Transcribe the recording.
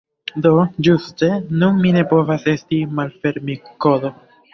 Do, ĝuste nun ni ne povas esti malfermitkodo